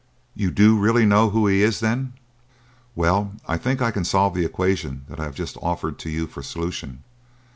"You do really know who he is, then?" "Well, I think I can solve the equation that I have just offered to you for solution.